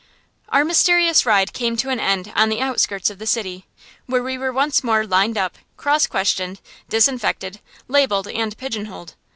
Our mysterious ride came to an end on the outskirts of the city, where we were once more lined up, cross questioned, disinfected, labelled, and pigeonholed.